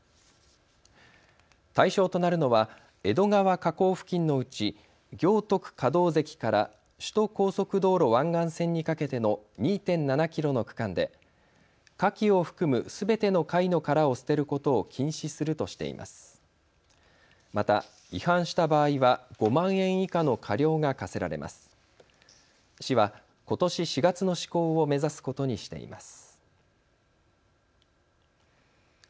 対象となるのは江戸川河口付近のうち行徳可動堰から首都高速道路湾岸線にかけての２．７キロの区間でかきを含むすべての貝の殻を捨てることを禁止するとしています。